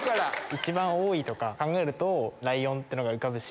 一番多いとか考えるとライオンってのが浮かぶし。